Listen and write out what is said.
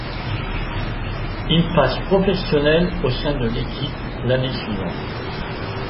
Il passe professionnel au sein de l'équipe l'année suivante.